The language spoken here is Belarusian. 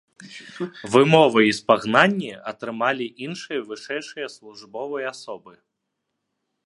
Вымовы і спагнанні атрымалі іншыя вышэйшыя службовыя асобы.